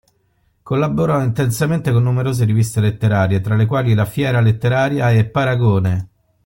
Collaborò intensamente con numerose riviste letterarie, tra le quali "La Fiera Letteraria" e "Paragone".